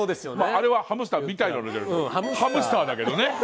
あれはハムスターみたいなのじゃなくてハムスターだけどね。